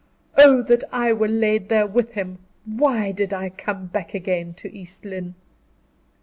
"Oh, that I were laid there with him! Why did I come back again to East Lynne?"